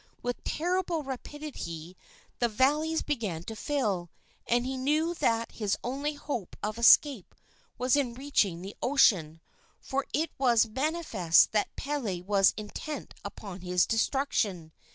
With terrible rapidity the valleys began to fill, and he knew that his only hope of escape was in reaching the ocean, for it was manifest that Pele was intent upon his destruction.